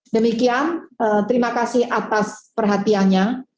demikian terima kasih atas perhatiannya